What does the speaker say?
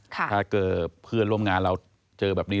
ถ้าเกิดเพื่อนร่วมงานเราเจอแบบนี้